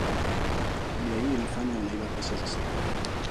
Tabia hii inafanya wanaiba pesa za serikali